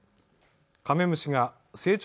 カメムシが成長